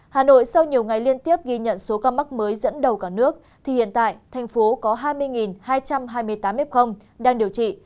hà nội sau nhiều ngày liên tiếp ghi nhận số ca mắc mới dẫn đầu cả nước thì hiện tại thành phố có hai mươi hai trăm hai mươi tám f đang điều trị